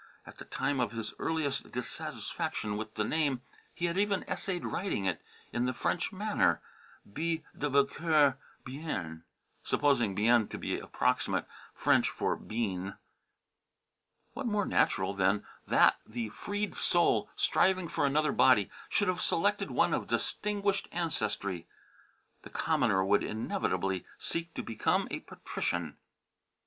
At the time of his earliest dissatisfaction with the name he had even essayed writing it in the French manner "B. de Boncoeur Bien" supposing "Bien" to be approximate French for "Bean." What more natural than that the freed soul, striving for another body, should have selected one of distinguished French ancestry? The commoner would inevitably seek to become a patrician.